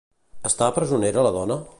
Està presonera la dona?